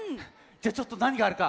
じゃちょっとなにがあるか。